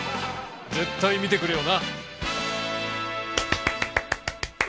絶対見てくれよな！